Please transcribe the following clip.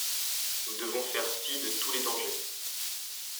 Nous devons faire fi de tous les dangers.